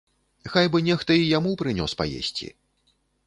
Хай бы нехта і яму прынёс паесці.